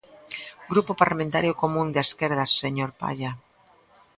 Grupo Parlamentario Común da Esquerda, señor Palla.